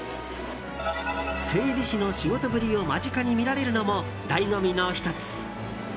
整備士の仕事ぶりを間近に見られるのもだいご味の１つ。